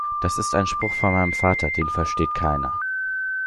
Das ist ein Spruch von meinem Vater. Den versteht keiner.